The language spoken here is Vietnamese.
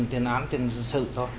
tiền án tiền sự thôi